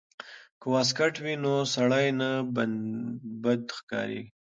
که واسکټ وي نو سړی نه بد ښکاریږي.